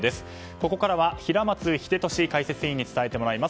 ここからは平松秀敏解説委員に伝えてもらいます。